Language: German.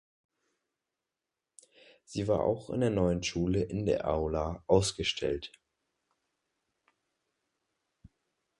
Sie war auch in der neuen Schule in der Aula ausgestellt.